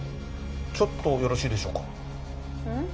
ちょっとよろしいでしょうかうん？